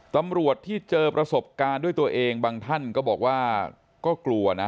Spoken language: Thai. ตำรวจที่เจอประสบการณ์ด้วยตัวเองบางท่านก็บอกว่าก็กลัวนะ